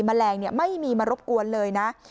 แมลงไม่มีมารบกวนเลยนะ